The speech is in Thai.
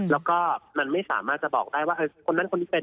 แล้วก็มันไม่สามารถจะบอกได้ว่าคนนั้นคนนี้เป็น